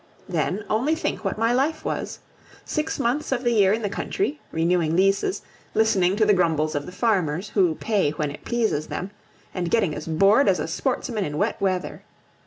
Then, only think what my life was. Six months of the year in the country, renewing leases, listening to the grumbles of the farmers, who pay when it pleases them, and getting as bored as a sportsman in wet weather.